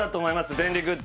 便利グッズ